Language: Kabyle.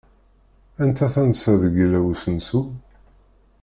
Anta tansa deg illa usensu?